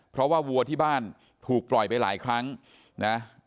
เพราะว่าวัวที่บ้านถูกปล่อยไปหลายครั้งนะ